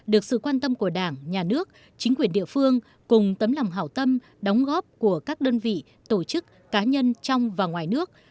được sự quan tâm của đảng nhà nước chính quyền địa phương cùng tấm lòng hảo tâm đóng góp của các đơn vị tổ chức cá nhân trong và ngoài nước